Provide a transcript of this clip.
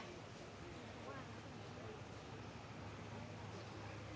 เมื่อเวลาเมื่อเวลาเมื่อเวลาเมื่อเวลา